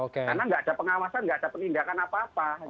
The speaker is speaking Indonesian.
karena nggak ada pengawasan nggak ada perlindakan apa apa